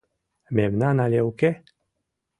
— Мемнан але уке?